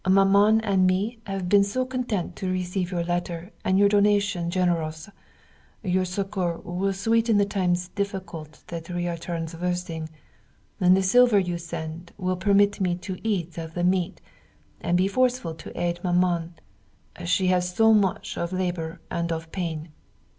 Maman and me have been so content to receive your letter and your donation generous! Your succour will sweeten the times difficult that we are traversing; and the silver you send will permit me to eat of the meat and be forceful to aid maman she has so much of labor and of pain!